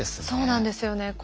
そうなんですよね。